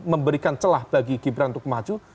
memberikan celah bagi gibran untuk maju